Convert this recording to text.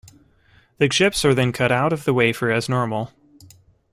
The chips are then cut out of the wafer as normal.